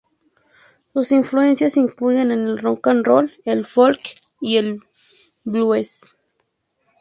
Sus influencias incluyen el rock and roll, el folk y el blues.